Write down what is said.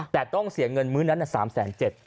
แต่ต้องเสียเงินมื้อนั้น๓๗๐๐บาท